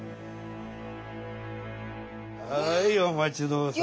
はいお待ち遠さま。